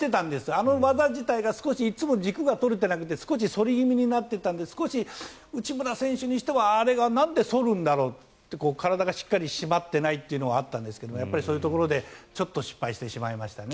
あの技自体がいつも少し軸が取れていなくて少し反り気味になっていたので内村選手にしてはあれがなんで反るんだろう体がしっかり締まっていないというのはあったんですけれどもやっぱりそういうところでちょっと失敗してしまいましたね。